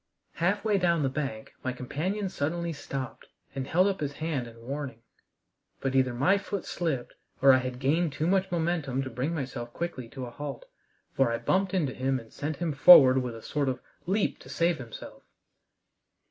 Halfway down the bank my companion suddenly stopped and held up his hand in warning; but either my foot slipped, or I had gained too much momentum to bring myself quickly to a halt, for I bumped into him and sent him forward with a sort of leap to save himself.